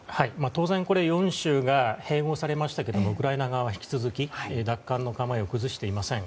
当然４州が併合されましたがウクライナ側は引き続き奪還の構えを崩していません。